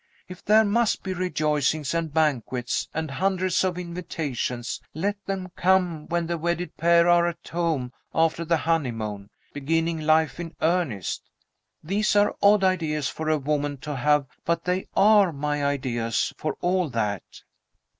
If there must be rejoicings and banquets, and hundreds of invitations, let them come when the wedded pair are at home after the honeymoon, beginning life in earnest. These are odd ideas for a woman to have but they are my ideas, for all that."